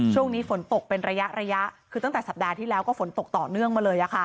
ช่วงนี้ฝนตกเป็นระยะคือตั้งแต่สัปดาห์ที่แล้วก็ฝนตกต่อเนื่องมาเลย